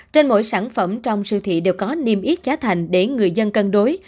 trên mỗi sản phẩm trong siêu thị đều có niêm yết giá thành để người dân cân đối